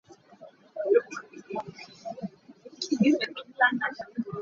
Ka mi kha kal hna seh.